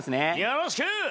よろしく！